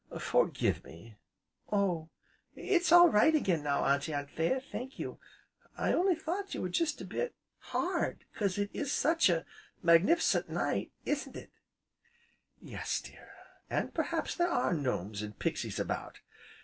forgive me!" "Oh! it's all right again, now, Auntie Anthea, thank you. I only thought you were jest a bit hard, 'cause it is such a magnif'cent night, isn't it?" "Yes dear; and perhaps there are gnomes, and pixies about.